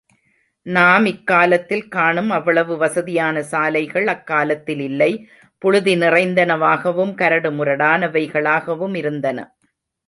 நாம் இக்காலத்தில் காணும் அவ்வளவு வசதியான சாலைகள் அக்காலத்தில் இல்லை புழுதி நிறைந்தனவாகவும், கரடு முரடானவைகளாகவும் இருந்தன.